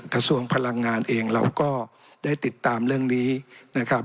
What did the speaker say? กระทรวงพลังงานเองเราก็ได้ติดตามเรื่องนี้นะครับ